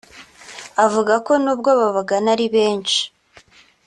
avuga ko n’ubwo ababagana ari benshi